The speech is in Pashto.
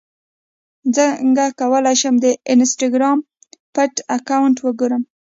څنګه کولی شم د انسټاګرام پټ اکاونټ وګورم